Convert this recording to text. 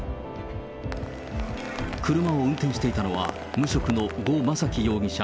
車を運転していたのは、無職の呉昌樹容疑者